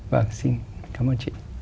vâng xin cảm ơn chị